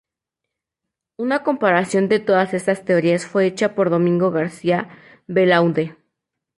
Una comparación de todas estas teorías fue hecha por Domingo García Belaunde.